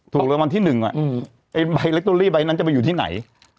ถูกหรือว่าวันที่หนึ่งอ่ะอืมไอ้นั้นจะไปอยู่ที่ไหน